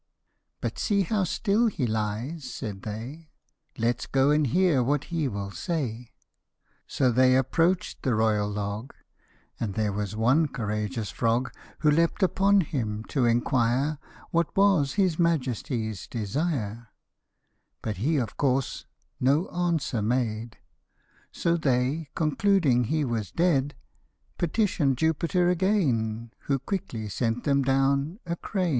" But see, how still he lies," said they, " Let's go and hear what he will say." So they approach'd the royal log, And there was one courageous frog Who leap'd upon him, to inquire What was his majesty's desire ; But he of course no answer made ; So they, concluding he was dead, Petitioned Jupiter again, Who quickly sent them down a crane.